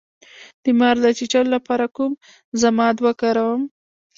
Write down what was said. د مار د چیچلو لپاره کوم ضماد وکاروم؟